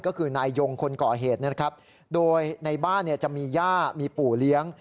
ก็คือนายยงคนก่อเหตุนะครับโดยในบ้านจะมีย่ามีปู่เลี้ยง